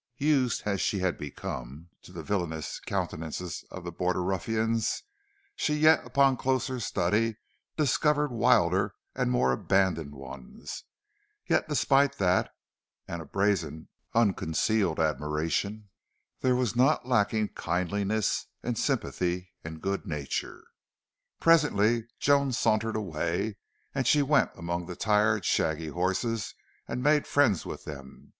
Used as she had become to the villainous countenances of the border ruffians, she yet upon closer study discovered wilder and more abandoned ones. Yet despite that, and a brazen, unconcealed admiration, there was not lacking kindliness and sympathy and good nature. Presently Joan sauntered away, and she went among the tired, shaggy horses and made friends with them.